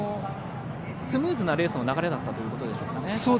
スムーズなレースの流れだったということでしょうかね。